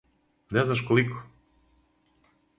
Не знаш колико!